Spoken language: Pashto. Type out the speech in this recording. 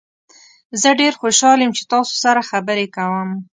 زه ډیر خوشحال یم چې تاسو سره خبرې کوم.